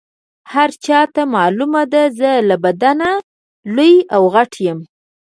هر چاته معلومه ده زه له بدنه لوی او غټ یم.